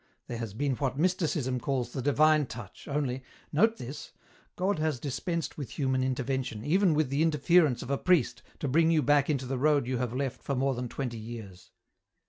There has been what Mysticism calls the divin touch, only — note this — God has dispensed with human intervention, even with the interference of a priest, to bring you back into the road you have left for more than twenty years.